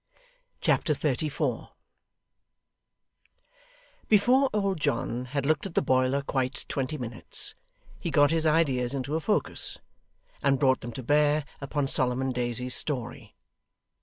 Chapter 34 Before old John had looked at the boiler quite twenty minutes, he got his ideas into a focus, and brought them to bear upon Solomon Daisy's story.